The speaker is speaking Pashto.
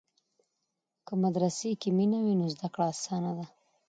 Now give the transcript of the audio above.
که مدرسې کې مینه وي نو زده کړه اسانه ده.